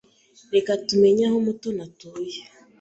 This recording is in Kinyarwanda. Reka tumenye aho Mutoni atuye.